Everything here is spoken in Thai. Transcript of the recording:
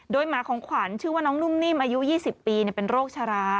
โดยหมาของขวัญชื่อว่าน้องนุ่มนิ่มอายุ๒๐ปีเป็นโรคชะลา